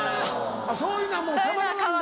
そういうのがもうたまらないんだ。